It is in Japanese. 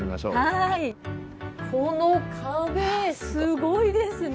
この壁すごいですね！